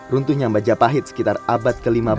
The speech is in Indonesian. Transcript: runtuhnya majapahit sekitar abad ke lima belas